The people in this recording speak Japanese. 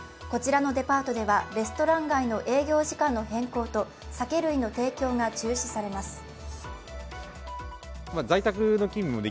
こちらのデパートではレストラン街の営業時間の変更と酒類の提供が中止されます。